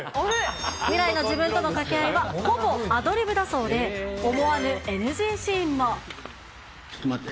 未来の自分との掛け合いは、ほぼアドリブだそうで、思わぬＮちょっと待て。